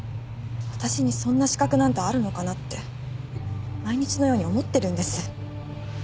私にそんな資格なんてあるのかなって毎日のように思ってるんです。